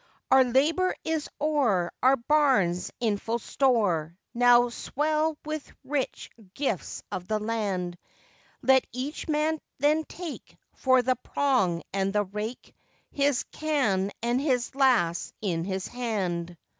Our labour is o'er, Our barns, in full store, Now swell with rich gifts of the land; Let each man then take, For the prong and the rake, His can and his lass in his hand.